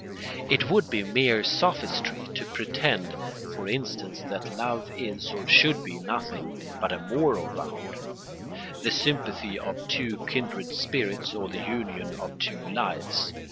It would be mere sophistry to pretend, for instance, that love is or should be nothing but a moral bond, the sympathy of two kindred spirits or the union of two lives.